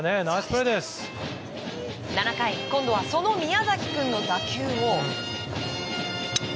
７回、今度はその宮崎君の打球を。